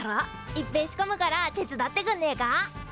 いっぺえ仕込むから手伝ってくんねえか？